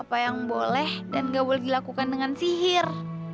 apa yang boleh dan gak boleh dilakukan dengan sihir